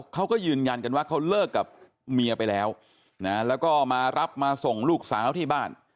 เขาก็ยืนยันกันว่าเขาเลิกกับเมียไปแล้วแล้วก็มารับมาส่งลูกสาวที่บ้าน